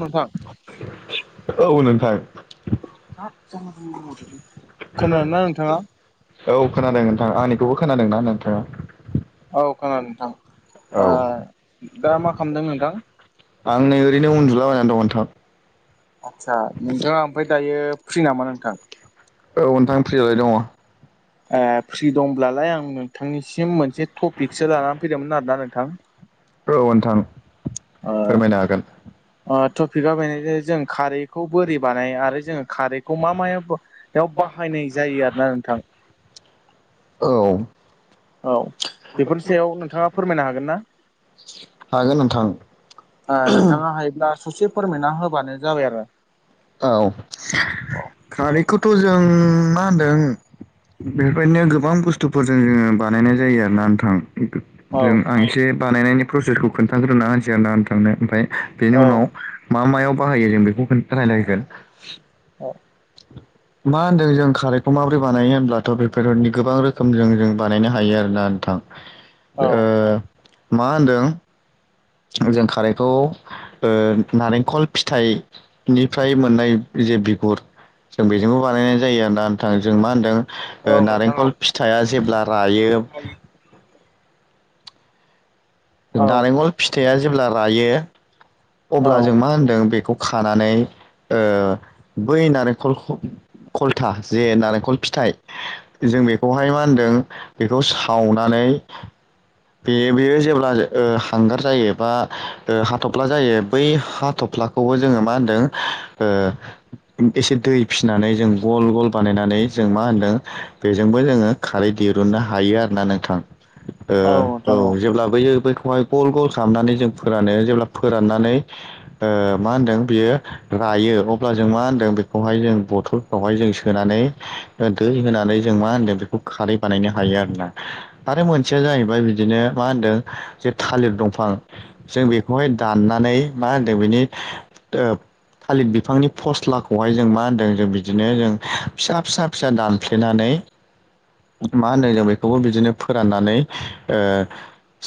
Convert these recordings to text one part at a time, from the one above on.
नोंथां औ नोंथां [unintelligible] खोनादोंना नोंथाङा औ खोनादों नोंथाङा। आंनिखौबो खोनादोंना नोंथाङा? औ खोनादों नोंथां। औ ओ दा मा खालामदों नोंथां? आं नै ओरैनो उन्दुलाबायनानै दं नोंथां। आदसा नोंथाङा ओमफ्राय दायो फ्रि नामा नोंथां? औ नोंथां फ्रिलाय दङ। ओ फ्रि दंब्लालाय आं नोंथांनिसिम मोनसे टपिकसो लाना फैदोंमोन आरोना नोंथां। औ नोंथां ओ फोरमायनो हागोन ओ टपिकआ बेनो जे जों खारै खौ बोरै बानायो आरो जोङो खारैखौ मा मायाव बाहायनाय जायो आरोना नोंथां? औ औ बेफोरनि सायाव नोंथाङा फोरमायनो हागोन ना हागोन नोंथां। ओ नोंथाङा हायोब्ला ससे फोरमायना होबानो जाबाय आरो। औ खारैखौथ' जों मा होनदों बेफोरबायदिनो गोबां बुस्थुफोरजों जोङो बानायनाय जायो आरोना नोंथां। औ जों आं एसे बानायनायनि प्रसेसखौ खोन्थाग्रोना होनोसै आरो ना नोंथांनो ओमफाय बेनि उनाव मा मायाव बाहायो जों बेखौ खोन्था रायलायगोन। औ [inaudible] मा होन्दों जों खारैखौ माबोरै बानायो होनब्लाथ' बेफोरनि गोबां रोखोमजों जों बानायनो हायो आरोना नोंथां। [inaudible] ओ मा होनदों जों खारैखौ नारेंखल फिथाइनिफ्राय मोननाय जे बिगुर जों बेजोंबो बानायनाय जायो आरो ना नोंथां जों मा होनदों? औ नोंथां औ नारेंखल फिथाइआ जेब्ला रायो। नारेंखल फिथाइया जेब्ला रायो औ अब्ला जों मा होनदों बेखौ खानानै ओ बै नारेंखलखौ खलथा जे नारेंखल फिथाइ जों बेखौहाय मा होनदों? बेखौ सावनानै बे बेयो जेब्ला ओ हांगार जायो बा ओ हाथफ्ला जायो बै हाथ'फ्लाखौबो जोङो मा होनदों ओ एसे दै फिसिनानै जों गल गल बानायनानै जों मा होनदों बेजोंबो जोङो खारै दिरुननो हायो आरो ना नोंथां। औ नोंथां ओ औ जेब्ला बैयो बैखौहाय गल गल खालामनानै जों फोरानो जेब्ला फोराननानै ओ मा होनदों बियो रायो अब्ला जों मा होनदों बेखौहाय जों बथल बेवहाय जों सोनानै दै होनानै जों मा होनदों बेखौ खारै बानायनो हायो आरोना। आरो मोनसेया जाहैबाय बिदिनो मा होनदों जे थालिर दंफां जों बे खौहाय दाननानै मा होनदों बेनि ओ थालिर बिफांनि फस्लाखौहाय जों मा होनदों जों बिदिनो जों फिसा फिसा फिसा दानफ्लेनानै मा होन्दों जों बेखौबो बिदिनो फोराननानै ओ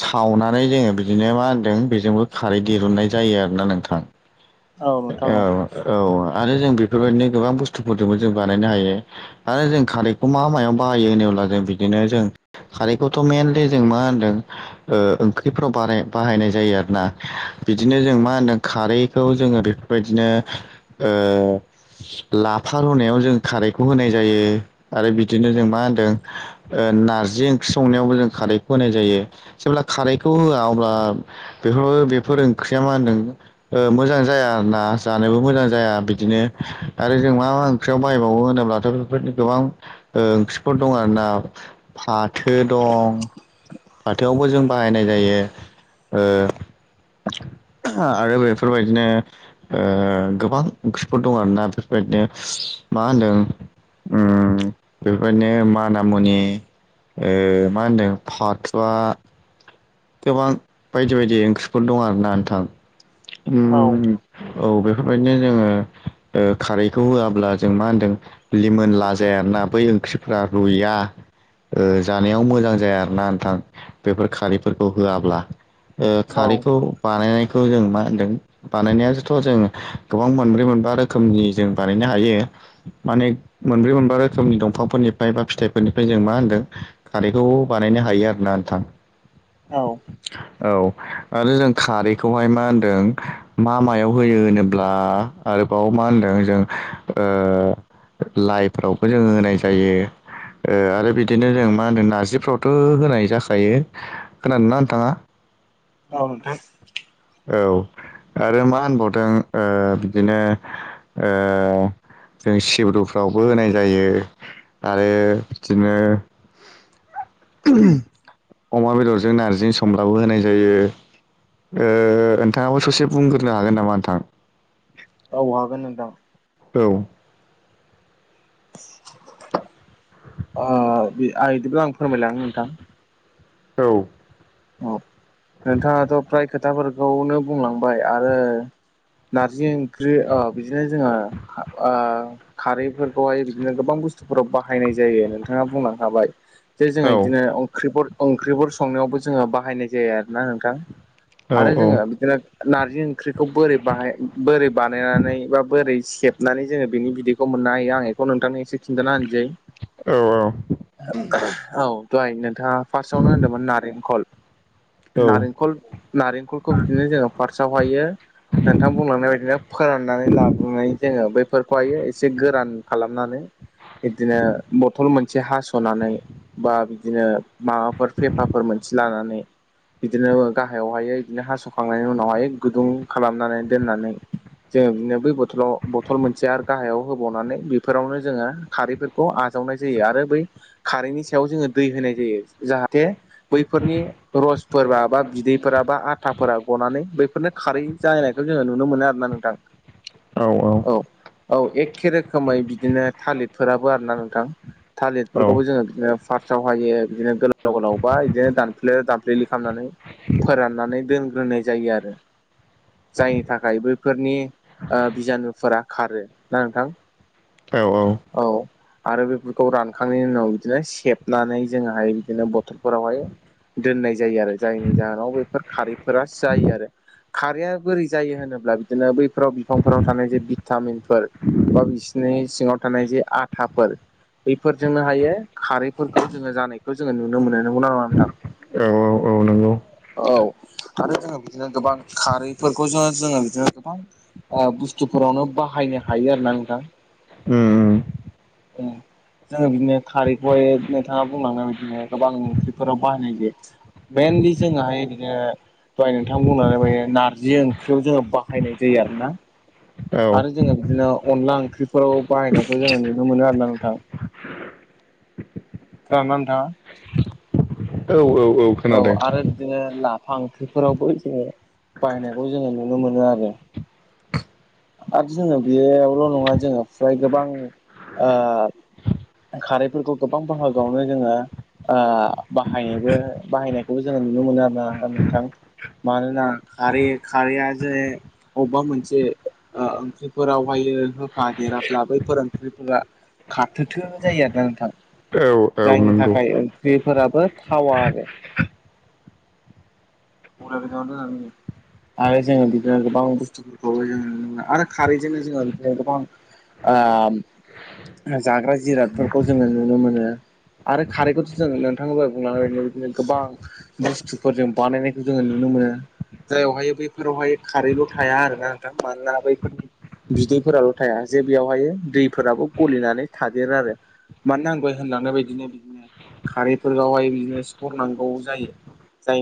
सावनानै जोङो बिदिनो मा होनदों बेजोंबो खारै दिरुननाय जायो आरोना नोंथां नोंथां औ। औ औ आरो जों बेफोरबायदिनो गोबां बुस्थुफोरजोंबो जों बानायनो हायो। आरो जों खारैखौ मा मायाव बाहायो होनोब्ला जों बिदिनो जों खारैखौथ' मेेनलि जों मा होनदों ओंख्रिफ्राव बानाय-बाहायनाय जायो आरोना। बिदिनो जों मा होनदों खारैखौ जोङो बेफोरबायदिनो ओ लाफा रुनायाव जों खारैखौ होनाय जायो आरो बिदिनो जों मा होनदों? नारजि ओंख्रि संनायावबो जों खारैखौ होनाय जायो जेब्ला खारैखौ होआ अब्ला बेफोर बेफोर ओंख्रिया मा होनदों ओ मोजां जाया आरो ना जानोबो मोजां जाया बिदिनो आरो जों मा मा ख्रियाव बाहायबावो होनोब्लाथ' बेफोरनि गोबां ओ ओंख्रिफोर दं आरो ना। फाथो दं फाथोआवबो जों बाहायनाय जायो ओ आरो बेफोरबायदिनो ओ गोबां ओंख्रिफोर दं आरो ना बेफोरबायदिनो मा होनदों उम बेफोरबायदिनो माना मुनि ओ मा होनदों फाथुआ गोबां बायदि बायदि ओंख्रिफोर दं आरो ना नोंथां। उम औ औ बेफोरबायदिनो जोङो ओ खारैखौ होआब्ला जों मा होनदों लिमोनला जाया आरोना बै ओंख्रिफ्रा रुइया ओ जानायाव मोजां जाया आरो ना नोंथां। बेफोर खारै फोरखौ होआब्ला ओ औ खारैखौ बानायनायखौ जों मा होनदों बानायनाया जोथ' जों गोबां मोनब्रै मोनबा रोखोमनि जों बानायनो हायो। माने मोनब्रै मोनबा रोखोमनि दंफांफोरनिफ्राय बा फिथाइफोरनिफ्राय जों मा होनदों? खारैखौ बानायनो हायो आरो ना नोंथां। औ औ आरो जों खारैखौहाय मा होनदों? मा मायाव होयो होनोब्ला आरोबाव मा होनदों जों ओ लाइफ्रावबो जोङो होनाय जायो। ओ आरो बिदिनो जों मा होनदों नारजिफ्रावथ' होनाय जाखायो। खोनानो ना नोंथाङा? औ नोंथां औ आरो मा होनबावदों ओ बिदिनो ओ जों सिब्रुफ्रावबो होनाय जायो। आरो इदिनो अमा बेदरजों नारजिजों संब्लाबो होनाय जायो। ओ ओंथाङाबो ससे बुंग्रोनो हागोन नामा नोंथां? औ हागोन नोंथां। औ आ बि आ इदिब्ला आं फोरमायलांनो नोंथां। औ औ नोंथाङाथ' फ्राय खोथाफोरखौनो बुंलांबाय। आरो नारजि ओंख्रि ओ बिदिनो जोङो आ खारैफोरखौहाय बिदिनो गोबां बुस्थुफोराव बाहायनाय जायो नोंथाङा बुलां खाबाय। जे औ जोङो इदिनो ओंख्रिफोर ओंख्रिफोर संनायावबो जोङो बाहायनाय जाया आरो ना नोंथां। औ आरो जोङो बिराद नारजि ओंख्रिखौ बोरै बाहा बोरै बानायनानै बा बोरै सेबनानै जोङो बिनि बिदै खौ मोननो हायो आं एखौ नोंथांनि सि खिन्थाना होनोसै। औ औ दहाय नोंथाङा फासावनो होनदोंमोन नारेंखल औ औ नारेंखल नारेंखलखौ बिदिनो जोङो फारसाव हायो नोंथां बुंलांनाय बायदिनो फोराननानै लाबोनानै जोङो बैफोरखौहायो एसे गोरान खालामनानै। इदिनो बथल मोनसे हास'नानै बा बिदिनो माबाफोर फेफाफोर मोनसे लानानै बिदिनो गाहायावहायो बिदिनो हास'खांनायनि उनावहाय गुदुं खालामनानै दोननानै जोङो बिदिनो बै बथलाव बथल मोनसे आरो गाहायाव होबावनानै बेफोरावनो जोङो खारैफोर खौ आजावनाय जायो। आरो बै खारैनि सायाव जोङो दै होनाय जायो। जाहाथे बैफोरनि रसफोरबा बा बिदैफोरा बा आथाफोरा गनानै बैफोरनो खारै जानायखौ जोङो नुनो मोनो आरोना नों थां औ औ औ औ एखे रोखोमै बिदिनो थालिरफोराबो आरो ना नोंथां। थालिरफोरखौबो जोङो बिदिनो फारसाव हायो बिदिनो गोलाव गोलाव बा इदिनो दानफ्ले दानफ्लेलि खालामनानै फोराननानै दोनग्रोनाय जायो आरो। जायनि थाखाय बैफोरनि ओ बिजानुफोरा खारो। ना नोंथां? औ औ। औ आरो बेफोरखौ रानखांनायनि उनाव बिदिनो सेबनानै जोंहाय बिदिनो ब थलफोरावहाय दोननाय जायो आरो जायनि जाहोनाव बेफोर खारैफोरा जायो आरो। खारैया बोरै जायो होनोब्ला बिदिनो बैफोराव बिफांफोराव थानाय जे भिटामिनफोर बा बिसिनि सिङाव थानाय जे आथाफोर बैफोरजोंनो हायो खारैफोरखौ जोङो जानायखौ जोङो नुनो मोनो। नंगौ नामा नोंथां? औ औ नंगौ औ आरो जोङो बिदिनो गोबां खारैफोरखौ ज जो जोङो बिदिनो गोबां ओ बुस्थुफोरावनो बाहायनो हायो आरो ना नोंथां। उम उम उम जोङो बिदिनो खारैखौहाय नोंथाङा बुंलांनाय बादिनो गोबां ओंख्रिफोराव बाहायनाय जायो। मइेनलि जोंहाय ओरैनो दहाय नोंथां बुंलांनाय बादि नारजि ओंख्रियाव जोङो बाहायनाय जायो आरो ना। औ आरो जोङो बिदिनो अनला ओंख्रिफोराव बाहायनायखौ जोङो नुनो मोनो आरोना नोंथां। जानो आनथा औ औ औ खोनादों। जोङो लाफा ओंख्रिफोरावबो जोङो बायनायखौ जोङो नुनो मोनो आरो। आरो जोङो बेयावल' नङा जोङो फ्राय गोबां ओ खारैफोरखौ गोबां बाहागोआवनो जोङो ओ बाहायोबो बाहायनायखौबो जोङो नुनो मोनो आरोना ओ नोंथां। मानोना खारै खारैया जेरै अबबा मोनसे ओंख्रिफोरावहाय होफादेराब्ला बैफोर ओंख्रिफोरा खाथोथो जायो आरोना नोंथां। औ औ जायनि नंगौ थाखाय ओंख्रि फोराबो थावा आरो। [unintelligible] आरो जोङो बिदिनो गोबां बुस्थुफोरखौबो जों नुनो मोनो आरो खारैजोंनो जोङो बिदिनो गोबां आम जाग्रा जिरादफोरखौ जोङो नुनो मोनो। आरो खारैखौथ' जों नोंथां दहाय बुंलांनाय बादिनो बिदिनो गोबां बुस्थुफोर जों बानायनाय जोङो नुनो मोनो। जायावहाय बैफोरावहाय खारैल' थाया आरोना नोंथां मानोना बैफोरनि बिदैफोराल' थाया जे बेयावहायो दैफोराबो गलिनानै थादेरो आरो। मानोना आं होनलांनाय बायदिनो बिदिनो खारैफोरखौहाय बिदिनो सरनांगौ जायो। जाय